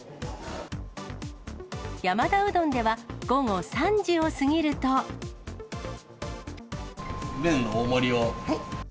山田うどんでは、午後３時を過ぎ麺の大盛りを。